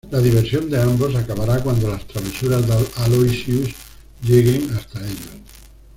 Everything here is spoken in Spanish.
La diversión de ambos acabará cuando las travesuras de Aloysius lleguen hasta ellos.